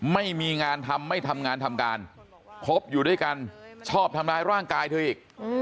ไม่มีงานทำไม่ทำงานทำการคบอยู่ด้วยกันชอบทำร้ายร่างกายเธออีก